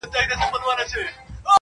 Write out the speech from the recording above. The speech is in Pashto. ووایه رویباره پیغامونو ته به څه وایو!